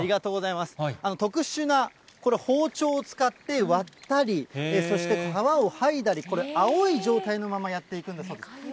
特殊なこの包丁を使って割ったり、そして皮を剥いだり、これ、青い状態のままやっていくんだそうです。